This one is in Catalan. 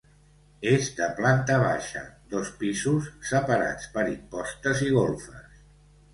És de planta baixa, dos pisos, separats per impostes, i golfes.